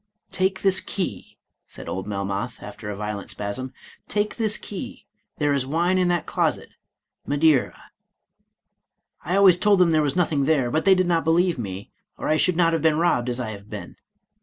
"Take this key," said old Melmoth, after a violent spasm ;" take this key, there is wine in that closet, — Madeira. I always told them there was nothing there, but they did not believe me, or I should not have been robbed as I have been.